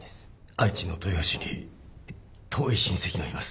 愛知の豊橋に遠い親戚がいます